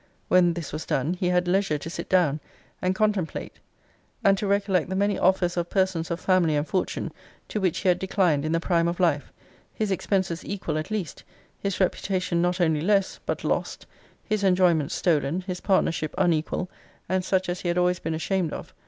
When this was done, he had leisure to sit down, and contemplate; an to recollect the many offers of persons of family and fortune to which he had declined in the prime of life: his expenses equal at least: his reputation not only less, but lost: his enjoyments stolen: his partnership unequal, and such as he had always been ashamed of.